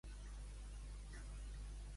Com van reaccionar els religiosos?